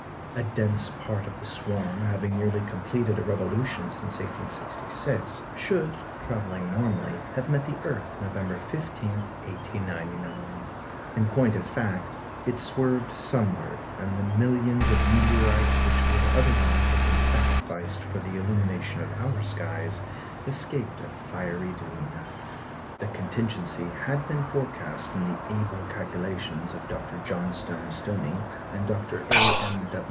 A dense part of the swarm, having nearly completed a revolution since 1866, should, travelling normally, have met the earth November 15, 1899; in point of fact, it swerved sunward, and the millions of meteorites which would otherwise have been sacrificed for the illumination of our skies escaped a fiery doom. The contingency had been forecast in the able calculations of Dr. Johnstone Stoney and Dr. A. M.